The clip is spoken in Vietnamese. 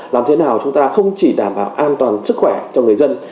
làm thế nào chúng ta không chỉ đảm bảo an toàn sức khỏe cho người dân